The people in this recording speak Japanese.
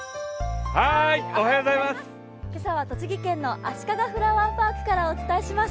今朝は栃木県のあしかがフラワーパークからお伝えします。